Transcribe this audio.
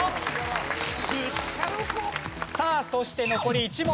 さあそして残り１問。